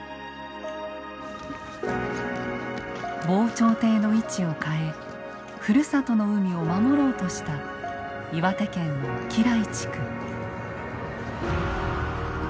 防潮堤の位置を変えふるさとの海を守ろうとした岩手県の越喜来地区。